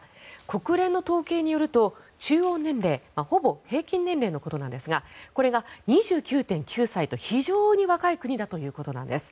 国連の統計によると中央年齢ほぼ平均年齢のことなんですがこれが２９．９歳と非常に若い国だということなんです。